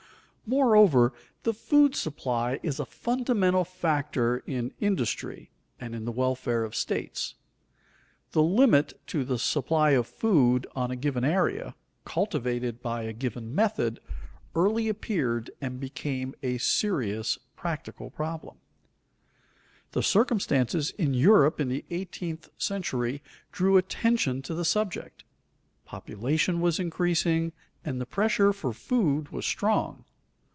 Moreover, the food supply is a fundamental factor in industry and in the welfare of states. The limit to the supply of food on a given area, cultivated by a given method, early appeared and became a serious practical problem. The circumstances in Europe in the eighteenth century drew attention to the subject. Population was increasing, and the pressure for food was strong.